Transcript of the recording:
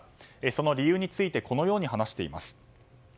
その理由についてこのように話しています。